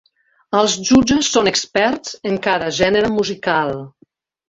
Els jutges són experts en cada gènere musical.